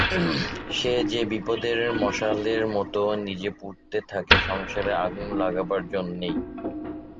সে যে বিপদের মশালের মতো, নিজে পুড়তে থাকে সংসারে আগুন লাগাবার জন্যেই।